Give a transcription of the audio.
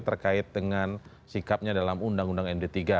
terkait dengan sikapnya dalam undang undang md tiga